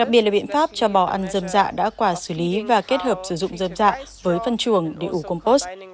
bò ăn dâm dạ đã quả xử lý và kết hợp sử dụng dâm dạ với phân chuồng để ủ compost